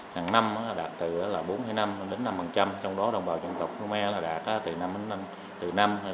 hàng năm đạt từ bốn năm năm trong đó đồng bào dân tộc khmer đạt từ năm năm